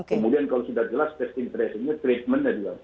kemudian kalau sudah jelas testing tracingnya treatmentnya jelas